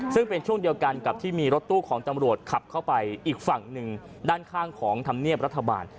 ซึ่งเป็นช่วงเดียวกันกับที่มีรถตู้ของตำรวจขับเข้าไปอีกฝั่งหนึ่งด้านข้างของธรรมเนียบรัฐบาล